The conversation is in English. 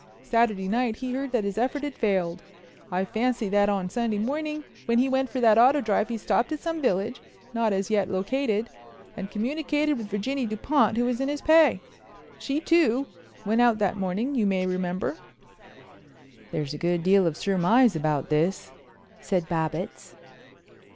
Saturday night he heard that his efforts had failed. I fancy that on Sunday morning when he went for that auto drive he stopped at some village—not as yet located—and communicated with Virginie Dupont, who was in his pay. She, too, went out that morning, you may remember." "There's a good deal of surmise about this," said Babbitts.